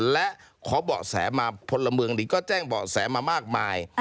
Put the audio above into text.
และขอเบาะแสมาพลเมืองดีก็แจ้งเบาะแสมามากมาย